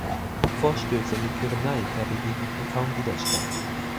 Vorstöße in die Kyrenaika begegneten kaum Widerstand.